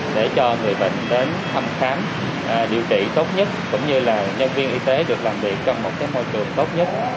để cho người bệnh đến thăm khám điều trị tốt nhất cũng như là nhân viên y tế được làm việc trong một môi trường tốt nhất